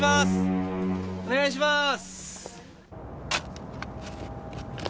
お願いしまーす！